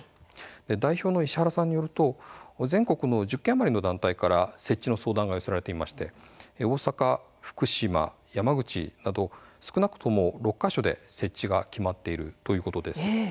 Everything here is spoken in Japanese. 代表の石原さんによると全国の１０件余りの団体から設置の相談が寄せられていまして大阪、福島、山口など少なくとも６か所で設置が決まっているということです。